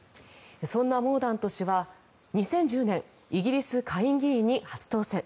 そんなモーダント氏は２０１０年イギリス下院議員に初当選。